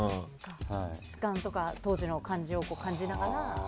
質感とか当時の感じを感じながら。